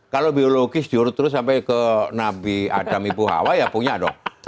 kalau biologis diurut terus sampai ke nabi adam ibu hawa ya punya dong